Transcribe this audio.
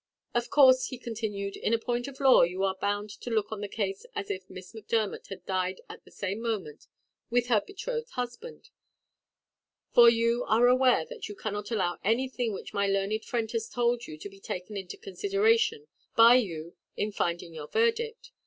Of course," he continued, "in a point of law you are bound to look on the case as if Miss Macdermot had died at the same moment with her betrothed husband, for you are aware that you cannot allow anything which my learned friend has told you to be taken into consideration by you in finding your verdict.